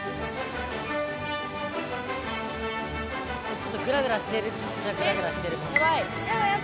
ちょっとグラグラしてるっちゃグラグラしてる怖い！